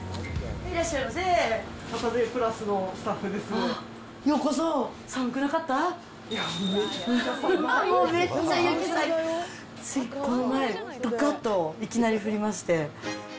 めっちゃ雪、ついこの前、どかっといきなり降りまして。